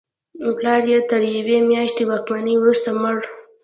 پلار یې تر یوې میاشتنۍ واکمنۍ وروسته ومړ.